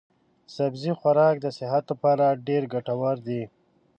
سبزي خوراک د صحت لپاره ډېر ګټور دی.